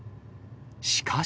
しかし。